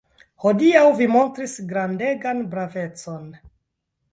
Hodiaŭ vi montris grandegan bravecon.